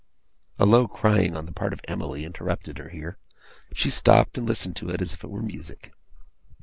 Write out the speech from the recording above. A low crying, on the part of Emily, interrupted her here. She stopped, and listened to it as if it were music.